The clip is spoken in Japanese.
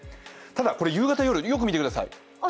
ただ、これ夕方、夜、よく見てください。